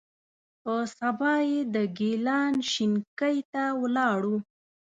په سبا یې د ګیلان شینکۍ ته ولاړو.